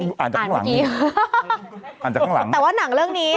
เป็นการกระตุ้นการไหลเวียนของเลือด